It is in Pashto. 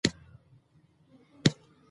پسه د افغانستان د اوږدمهاله پایښت لپاره مهم دی.